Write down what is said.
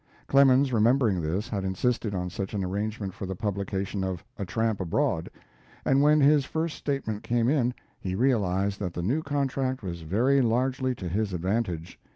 Clemens, remembering this, had insisted on such an arrangement for the publication of 'A Tramp Abroad', and when his first statement came in he realized that the new contract was very largely to his advantage.